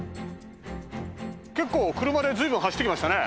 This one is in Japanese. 結構車で随分走ってきましたね。